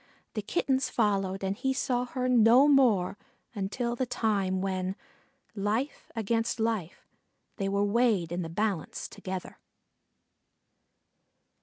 The Kittens followed, and he saw her no more until the time when, life against life, they were weighed in the balance together.